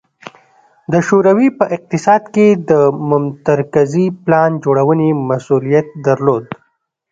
د شوروي په اقتصاد کې د متمرکزې پلان جوړونې مسوولیت درلود